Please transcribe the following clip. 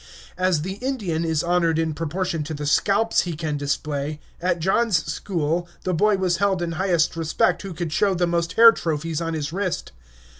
As the Indian is honored in proportion to the scalps he can display, at John's school the boy was held in highest respect who could show the most hair trophies on his wrist.